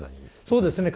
そうですね。